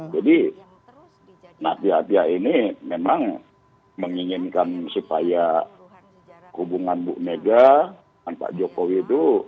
jadi nah pihak pihak ini memang menginginkan supaya hubungan bu mega dan pak jokowi itu